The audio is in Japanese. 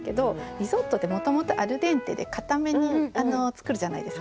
リゾットってもともとアルデンテで硬めに作るじゃないですか。